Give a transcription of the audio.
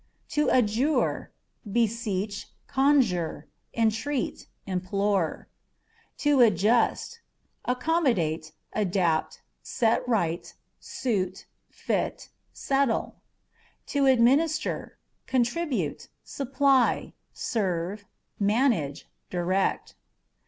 To Adjure â€" beseech, conjure, entreat, implore. To Adjust â€" accommodate, adapt, set right, suit, fit, settle. To Administer â€" contribute, supply ; serve, manage, direct.